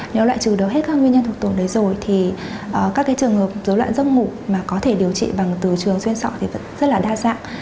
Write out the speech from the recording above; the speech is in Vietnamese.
nếu loại trừ được hết các nguyên nhân thuộc tổn đấy rồi thì các trường hợp dối loạn giấc ngủ mà có thể điều trị bằng từ trường xuyên sọ thì vẫn rất là đa dạng